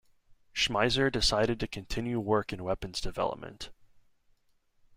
Schmeisser decided to continue work in weapons development.